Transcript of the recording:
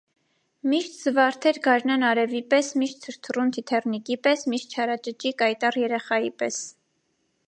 Միշտ զվարթ էր գարնան արևի պես, միշտ թրթռուն՝ թիթեռնիկի պես, միշտ չարաճճի՝ կայտառ երեխայի պես: